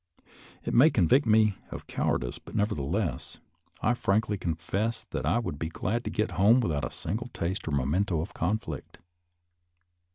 It may convict me of cowardice, but nevertheless I frankly confess that I would be glad to get home without a single taste or memento of conflict.